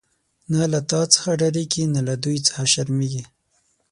نه له تا څخه ډاریږی، نه له دوی څخه شرمیږی